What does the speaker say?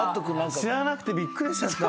知らなくてびっくりしちゃった。